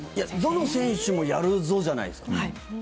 どの選手もやるぞじゃないですか。